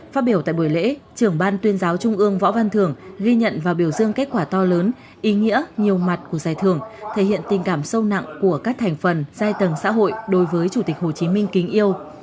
phát biểu tại buổi lễ trưởng ban tuyên giáo trung ương võ văn thưởng ghi nhận và biểu dương kết quả to lớn ý nghĩa nhiều mặt của giải thưởng thể hiện tình cảm sâu nặng của các thành phần giai tầng xã hội đối với chủ tịch hồ chí minh kính yêu